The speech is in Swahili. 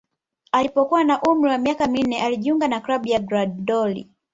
Alipokuwa na umri wa miaka minne alijiunga na klabu ya Grandoli